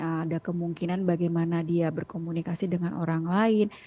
ada kemungkinan bagaimana dia berkomunikasi dengan orang lain